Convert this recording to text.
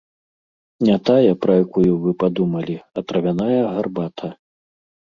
Не тая, пра якую вы падумалі, а травяная гарбата.